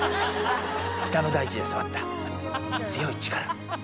北の大地で育った強い力。